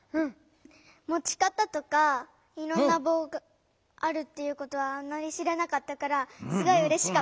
もち方とかいろんなぼうがあるっていうことはあんまり知らなかったからすごいうれしかった。